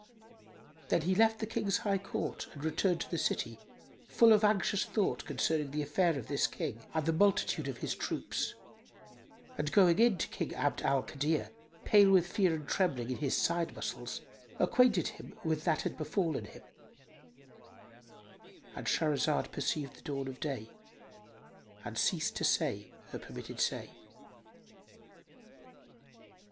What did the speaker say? [FN#299] Then he left the King's high court and returned to the city, full of anxious thought concerning the affair of this King and the multitude of his troops, and going in to King Abd al Kadir, pale with fear and trembling in his side muscles, acquainted him with that had befallen him;——And Shahrazad perceived the dawn of day and ceased to say her permitted say.